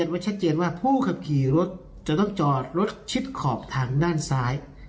ไว้ชัดเจนว่าผู้ขับขี่รถจะต้องจอดรถชิดขอบทางด้านซ้าย